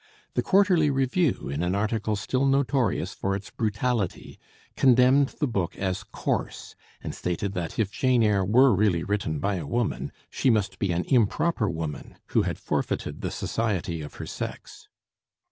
The Quarterly Review, in an article still notorious for its brutality, condemned the book as coarse, and stated that if 'Jane Eyre' were really written by a woman, she must be an improper woman, who had forfeited the society of her sex.